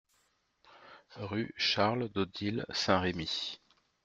Rue Charles Dodille, Saint-Rémy